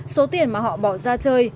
số tiền mà họ bỏ ra chơi